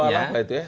soal apa itu ya